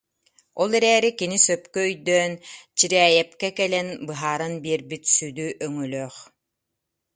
Ол эрээри кини сөпкө өйдөөн Чирээйэпкэ кэлэн быһааран биэрбит сүдү өҥөлөөх